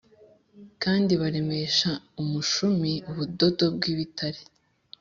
Kandi baremesha umushumi ubudodo bw ibitare